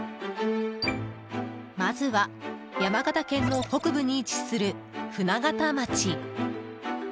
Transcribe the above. まずは山形県の北部に位置する舟形町。